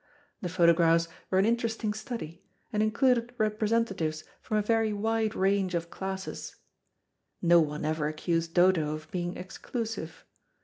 The photographs were an interesting study, and included representatives from a very wide range of classes. No one ever accused Dodo of being exclusive.